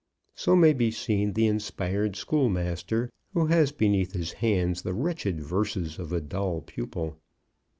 So may be seen the inspired schoolmaster who has beneath his hands the wretched verses of a dull pupil.